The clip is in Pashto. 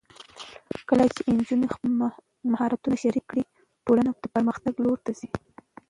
کله چې نجونې خپل مهارتونه شریک کړي، ټولنه د پرمختګ لور ته ځي.